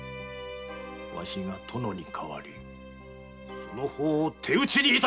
わしが殿に代わりその方を手討ちに致してくれる！